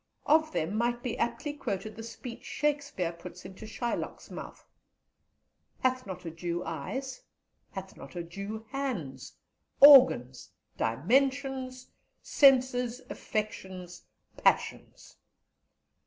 Of them might be aptly quoted the speech Shakespeare puts into Shylock's mouth: 'Hath not a Jew eyes? hath not a Jew hands, organs, dimensions, senses, affections, passions?'